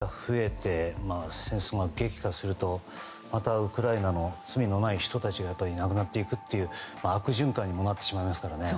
支援がまた増えて戦争が激化すると、またウクライナの罪のない人たちが亡くなっていくという悪循環にもなってしまいますからね。